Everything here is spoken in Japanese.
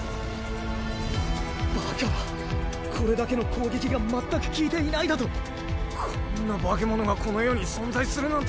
バカなこれだけの攻撃が全く効いていないだと⁉こんな化け物がこの世に存在するなんて。